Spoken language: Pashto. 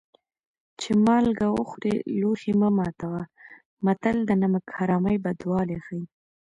چې مالګه وخورې لوښی مه ماتوه متل د نمک حرامۍ بدوالی ښيي